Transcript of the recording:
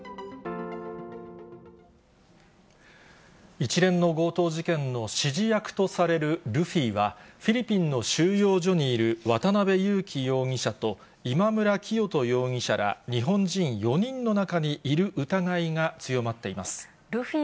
一連の強盗事件の指示役とされるルフィは、フィリピンの収容所にいる渡辺優樹容疑者と、今村磨人容疑者ら、日本人４人の中にいる疑いが強まっています。